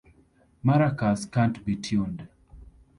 Maracas can't be tuned.